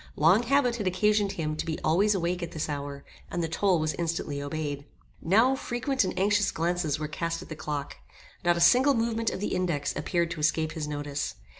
Long habit had occasioned him to be always awake at this hour, and the toll was instantly obeyed. Now frequent and anxious glances were cast at the clock. Not a single movement of the index appeared to escape his notice.